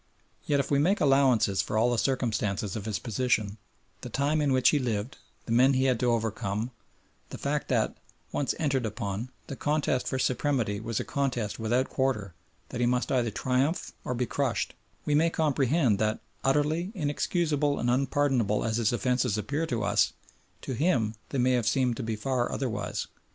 Yet if we make allowances for all the circumstances of his position the time in which he lived, the men he had to overcome, the fact that, once entered upon, the contest for supremacy was a contest without quarter, that he must either triumph or be crushed we may comprehend that, utterly inexcusable and unpardonable as his offences appear to us, to him they may have seemed to be far otherwise.